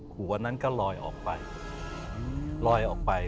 หัวนั้นก็ลอยออกไป